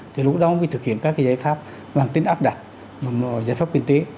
thì lúc đó mới thực hiện các cái giải pháp bằng tên áp đặt và giải pháp kinh tế